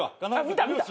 見た見た？